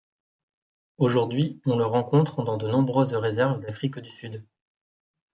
Aujourd'hui, on le rencontre dans de nombreuses réserves d'Afrique du Sud.